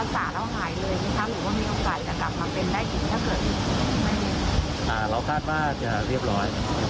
ที่อาการแบบนี้คือรักษาแล้วหายเลยไหมครับ